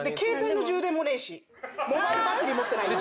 モバイルバッテリー持ってないから。